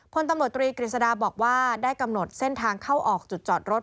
พลตำรวจตรีกฤษฎาบอกว่าได้กำหนดเส้นทางเข้าออกจุดจอดรถ